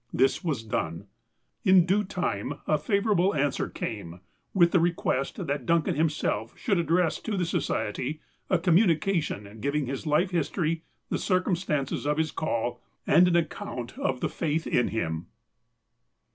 This was done. In due time, a favourable answer came, with the re quest that Duncan himself should address to the Society a communication giving his life history, the circumstances of his call, and an account of " the faith in him."